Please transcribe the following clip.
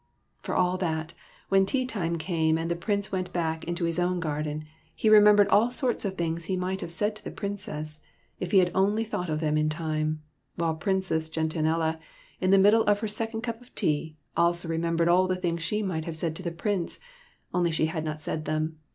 For all that, when tea time came and the Prince went back into his own garden, he remembered all sorts of things he might have said to the Princess if he had only thought of them in time ; while Princess Gentianella, in the middle of her second cup of tea, also remembered all the things she might have said to the Prince, only she had not said them.